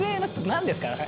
何ですか？